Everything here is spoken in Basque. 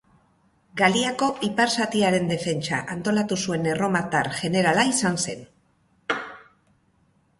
Galiako ipar zatiaren defentsa antolatu zuen erromatar jenerala izan zen.